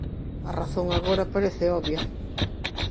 A razón agora parece obvia.